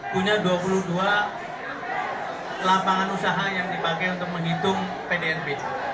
punya dua puluh dua lapangan usaha yang dipakai untuk menghitung pdnb